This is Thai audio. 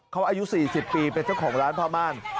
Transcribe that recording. เขาอายุ๔๐ปีเป็นเจ้าของร้านผ้าม่าน